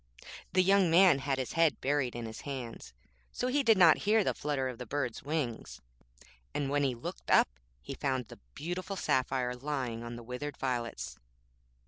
The young man had his head buried in his hands, so he did not hear the flutter of the bird's wings, and when he looked up he found the beautiful sapphire lying on the withered violets.